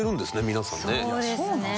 皆さんね。